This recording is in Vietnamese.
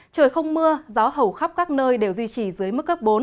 trời không mưa gió hầu khắp các nơi đều duy trì dưới mức cấp bốn